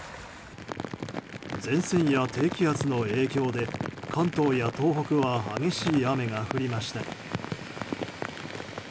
前線や低気圧の影響で関東や東北は激しい雨が降りました。